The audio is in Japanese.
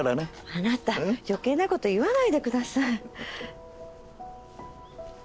あなた余計なこと言わないでください。